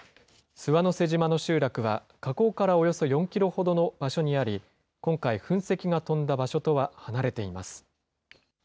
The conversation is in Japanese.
諏訪之瀬島の集落は火口からおよそ４キロほどの場所にあり、今回、噴石が飛んだ場所とは離れています。